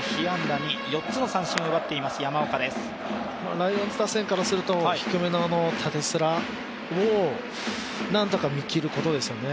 ライオンズ打線からすると低めの縦スラを、何とか見切ることですよね。